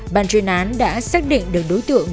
bàn truyền án đã xác định được đối tượng